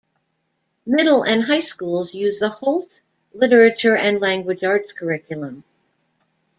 Middle and high schools use the Holt Literature and Language Arts curriculum.